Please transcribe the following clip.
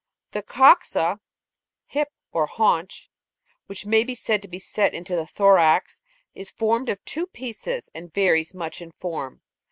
The coxa (hip or haunch), which may be said to be set into the thorax, is formed of two pieces, and varies much in form.